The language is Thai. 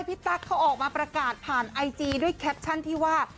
ตั๊กเขาออกมาประกาศผ่านไอจีด้วยแคปชั่นที่ว่า